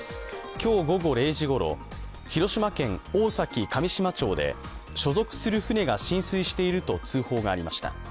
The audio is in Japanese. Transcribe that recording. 今日午後０時ごろ、広島県大崎上島町で所属する船が浸水していると通報がありました。